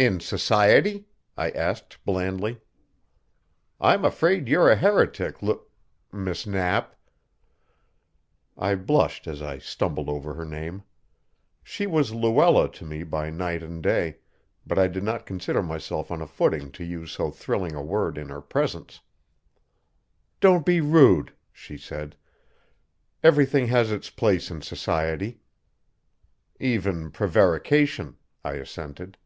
"In society?" I asked blandly. "I'm afraid you're a heretic, L Miss Knapp." I blushed as I stumbled over her name. She was Luella to me by night and day, but I did not consider myself on a footing to use so thrilling a word in her presence. "Don't be rude," she said. "Everything has its place in society." "Even prevarication," I assented.